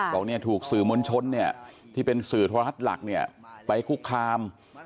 ตรงเนี่ยถูกสื่อมวลชนเนี่ยที่เป็นสื่อทวรรษหลักเนี่ยไปคุกคาม